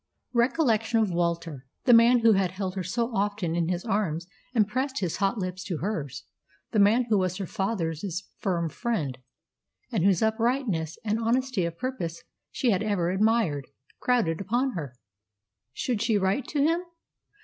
Recollection of Walter the man who had held her so often in his arms and pressed his hot lips to hers, the man who was her father's firm friend and whose uprightness and honesty of purpose she had ever admired crowded upon her. Should she write to him?